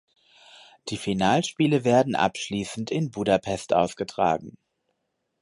Die Finalspiele werden abschließend in Budapest ausgetragen.